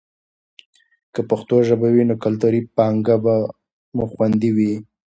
که پښتو ژبه وي نو کلتوري پانګه مو خوندي وي.